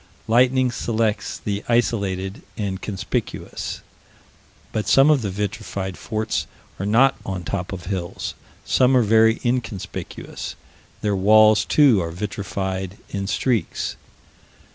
Lightning selects the isolated and conspicuous. But some of the vitrified forts are not upon tops of hills: some are very inconspicuous: their walls too are vitrified in streaks.